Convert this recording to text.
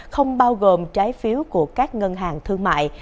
không bao gồm trái phiếu của các ngân hàng thương mại